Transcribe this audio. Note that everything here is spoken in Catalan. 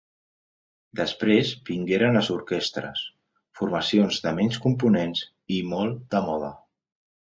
Després vingueren les orquestres, formacions de menys components i molt de moda.